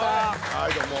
はいどうも。